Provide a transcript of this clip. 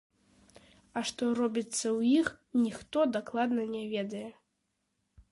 А што робіцца ў іх, ніхто дакладна не ведае.